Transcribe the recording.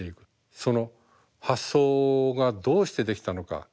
その発想がどうしてできたのか。